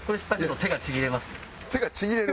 手がちぎれる？